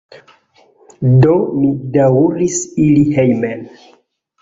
Do, mi daŭris iri hejmen.